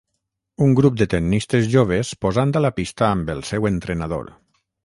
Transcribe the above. Un grup de tennistes joves posant a la pista amb el seu entrenador.